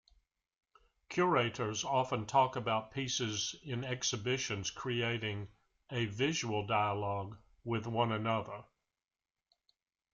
Curators often talk about pieces in exhibitions creating 'a visual dialogue' with one another.